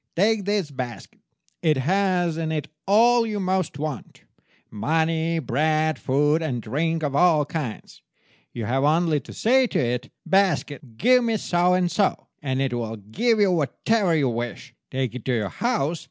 Take this basket. It has in it all you most want—money, bread, food, and drink of all kinds. You have only to say to it, 'Basket, give me so and so,' and it will give you whatever you wish. Take it to your house.